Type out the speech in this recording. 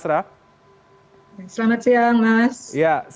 selamat siang mas